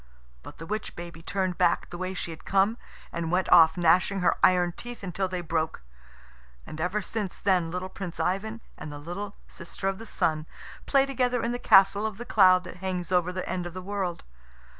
But the witch baby turned back the way she had come, and went off, gnashing her iron teeth until they broke. And ever since then little Prince Ivan and the little sister of the Sun play together in the castle of cloud that hangs over the end of the world.